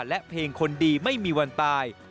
และเพลงคนดีไม่มีวันตาย